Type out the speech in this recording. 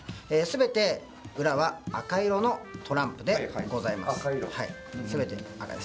すべて裏は赤色のトランプでございます赤色？